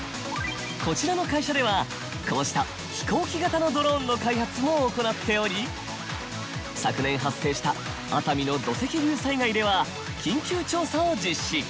こちらの会社ではこうした飛行機型のドローンの開発も行っており昨年発生した熱海の土石流災害では緊急調査を実施。